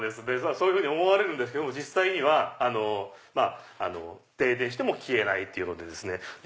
そういうふうに思われるけど実際には停電しても消えないっていうのでですね。